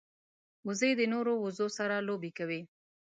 وزې د نورو وزو سره لوبې کوي